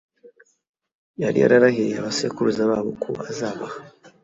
yari yararahiriye abasekuruza babo ko azabaha